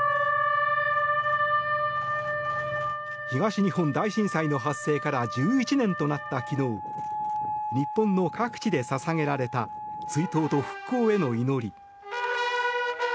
東日本大震災の発生から１１年となった昨日日本の各地で捧げられた追悼と復興への祈り。